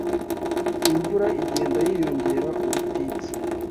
imvura igenda yiyongera ubutitsa